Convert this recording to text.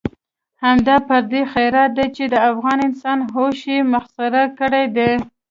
همدا پردی خیرات دی چې د افغان انسان هوش یې مسخره کړی دی.